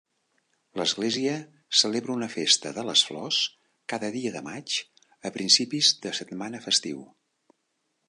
L'església celebra una festa de les flors cada dia de maig a principis de setmana festiu.